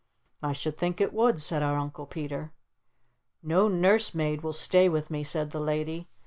"I should think it would," said our Uncle Peter. "No Nurse Maid will stay with me," said the Lady.